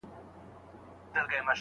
انتيک پلورونکی به لوړ قيمت ووايي.